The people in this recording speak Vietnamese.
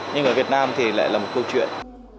nhưng ở việt nam thì lại là một câu chuyện